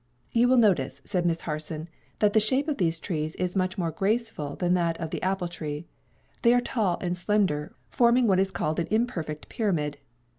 "You will notice," said Miss Harson, "that the shape of these trees is much more graceful than that of the apple tree. They are tall and slender, forming what is called an imperfect pyramid.